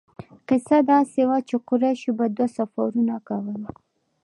کیسه داسې وه چې قریشو به دوه سفرونه کول.